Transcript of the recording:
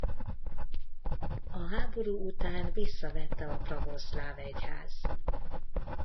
A háború után visszavette a pravoszláv egyház.